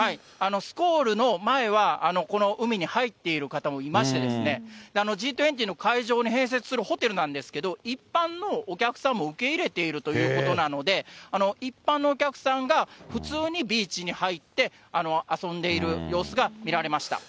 スコールの前はこの海に入っている方もいまして、Ｇ２０の会場に併設するホテルなんですけど、一般のお客さんも受け入れているということなので、一般のお客さんが普通にビーチに入って、遊んでいる様子が見られました。